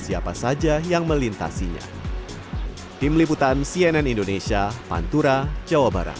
siapa saja yang melintasinya tim liputan cnn indonesia pantura jawa barat